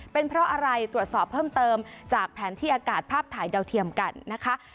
เป็นเพราะอะไรตรวจสอบเพิ่มเติมจากแผนที่อากาศภาพถ่ายดาวเทียมกันนะคะ